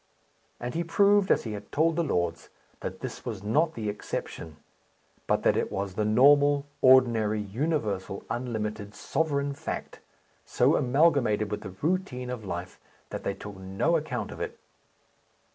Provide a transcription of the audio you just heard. And he proved, as he had told the lords, that this was not the exception; but that it was the normal, ordinary, universal, unlimited, sovereign fact, so amalgamated with the routine of life that they took no account of it.